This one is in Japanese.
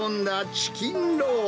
チキンロール。